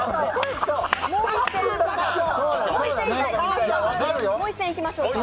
もう一戦いきましょうか。